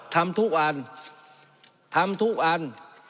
ทำทุกอันทำทุกอัน